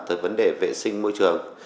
về vấn đề vệ sinh môi trường